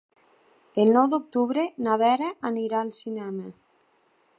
El nou d'octubre na Vera anirà al cinema.